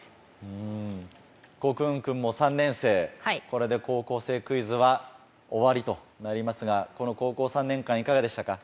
これで『高校生クイズ』は終わりとなりますがこの高校３年間いかがでしたか？